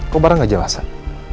kok barang gak jelasan